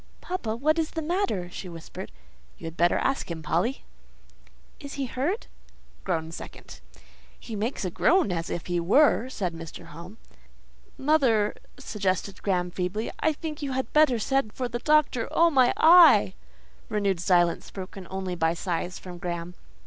"Papa, what is the matter?" she whispered. "You had better ask him, Polly." "Is he hurt?" (groan second.) "He makes a noise as if he were," said Mr. Home. "Mother," suggested Graham, feebly, "I think you had better send for the doctor. Oh my eye!" (renewed silence, broken only by sighs from Graham.)